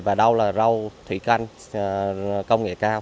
và đâu là rau thủy canh công nghệ cao